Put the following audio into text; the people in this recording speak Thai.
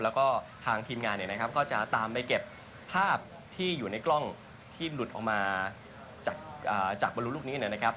แล้วก็ทางทีมงานเนี่ยนะครับก็จะตามไปเก็บภาพที่อยู่ในกล้องที่หลุดออกมาจากบรรลุลูกนี้นะครับ